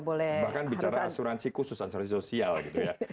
bahkan bicara asuransi khusus asuransi sosial gitu ya